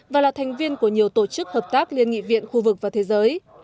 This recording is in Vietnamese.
và là thành viên của nhiều tổ chức hợp tác liên nghị viện khu vực và thế giới